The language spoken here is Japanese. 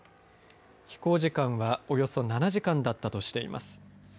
飛行時間はおよそ７時間だったとしています。